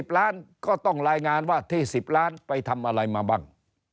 ล้านก็ต้องรายงานว่าที่๑๐ล้านไปทำอะไรมาบ้าง